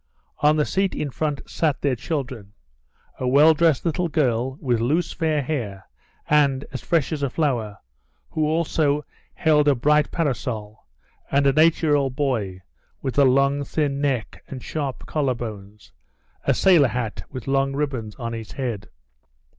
On the seat in front sat their children a well dressed little girl, with loose, fair hair, and as fresh as a flower, who also held a bright parasol, and an eight year old boy, with a long, thin neck and sharp collarbones, a sailor hat with long ribbons on his head.